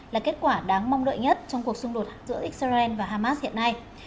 là kết quả đáng mong đợi nhất trong cuộc xung đột giữa israel và hamas hiện nay